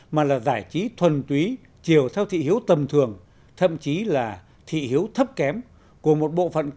mà là giải trí thuần túy chiều theo thị hiếu tầm thường thậm chí là thị hiếu thấp kém của một bộ phận kinh tế